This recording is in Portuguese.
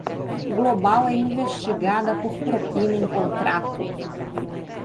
Global é investigada por propina em contrato